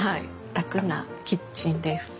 楽なキッチンです。